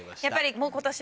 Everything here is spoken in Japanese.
やっぱり。